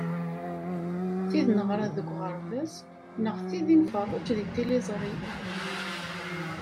Tid neɣra deg uɣerbaz, neɣ tid i nferreǧ deg tiliẓri.